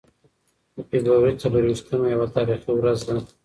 د فبرورۍ څلور ویشتمه یوه تاریخي ورځ ده.